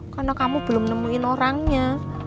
karena kamu belum nemuin orangnya